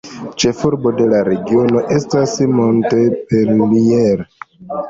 Ĉefurbo de la regiono estas Montpellier.